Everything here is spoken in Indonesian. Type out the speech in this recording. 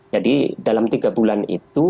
jadi dalam tiga bulan itu